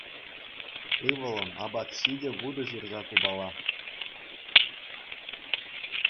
Ывӑлӑм, апат ҫи те вутӑ ҫурса купала.